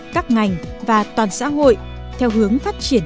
các ngành và toàn xã hội theo hướng phát triển